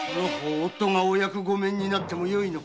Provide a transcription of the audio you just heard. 夫が「お役御免」になってよいか？